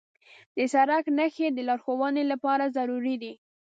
د سړک نښې د لارښوونې لپاره ضروري دي.